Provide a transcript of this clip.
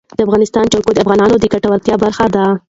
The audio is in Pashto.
د افغانستان جلکو د افغانانو د ګټورتیا برخه ده.